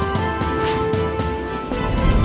สี่